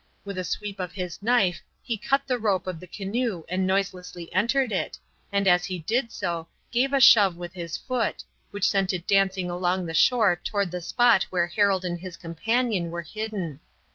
With a sweep of his knife he cut the rope of the canoe and noiselessly entered it, and as he did so gave a shove with his foot, which sent it dancing along the shore toward the spot where Harold and his companion were hidden.